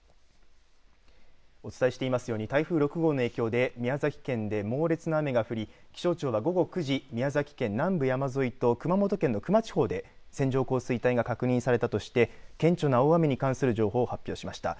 お伝えしていますように台風６号の影響で宮崎県で猛烈な雨が降り気象庁は午後９時宮崎県南部山沿いと熊本県の球磨地方で線状降水帯が確認されたとして顕著な大雨に関する情報を発表しました。